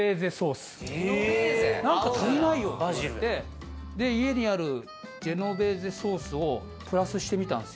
「何か足りないよ」って言われて家にあるジェノベーゼソースをプラスしてみたんです